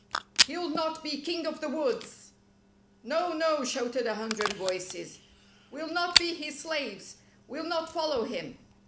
lie'll not be king of the woods !" "NO! No!" shouted a hundred voices. "We'll not be his slaves! We'll not follow him!